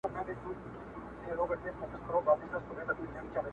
معلومـــــــــــيږي چې د شې ورځـــــــــــــې څښتن شو